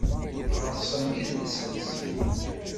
Ɣer-sen idles-nsen